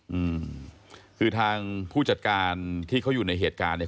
อืมคือทางผู้จัดการที่เขาอยู่ในเหตุการณ์เนี้ย